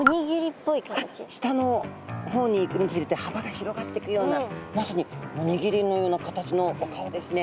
下の方にいくにつれてはばが広がってくようなまさにおにぎりのような形のお顔ですね。